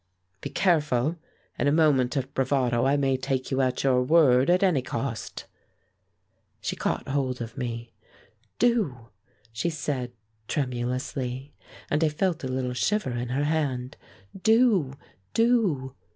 "Be careful. In a moment of bravado I may take you at your word, at any cost!" She caught hold of me. "Do," she said, tremulously, and I felt a little shiver in her hand. "Do, do."